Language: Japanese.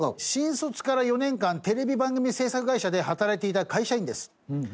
新卒から４年間テレビ番組制作会社で働いていた会社員です。